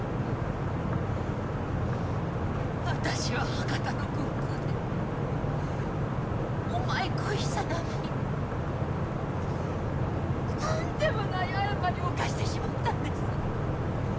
私は博多の空港でお前恋しさのあまりとんでもない誤りを犯してしまったんです。